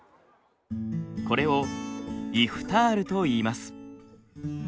これをイフタールといいます。